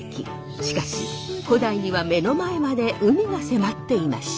しかし古代には目の前まで海が迫っていました。